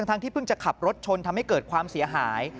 ทั้งที่เพิ่งจะขับรถชนทำให้เกิดความเสียหาย